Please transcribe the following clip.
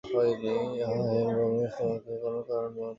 আচ্ছা হেম, রমেশ তোমাকে কোনো কারণ বলে নাই?